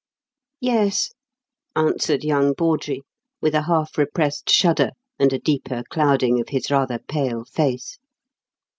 "Yes," answered young Bawdrey, with a half repressed shudder and a deeper clouding of his rather pale face.